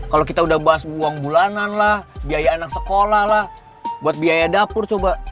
kalau kita udah bahas uang bulanan lah biaya anak sekolah lah buat biaya dapur coba